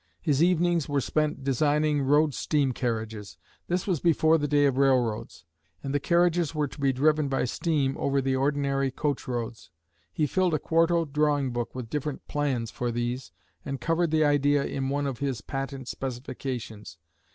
His evenings were spent designing "road steam carriages." This was before the day of railroads, and the carriages were to be driven by steam over the ordinary coach roads. He filled a quarto drawing book with different plans for these, and covered the idea in one of his patent specifications.